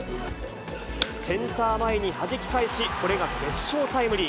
センター前にはじき返し、これが決勝タイムリー。